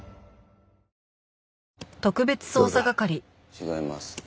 違います。